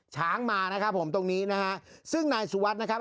ช้างมานะครับผมตรงนี้นะฮะซึ่งนายสุวัสดิ์นะครับ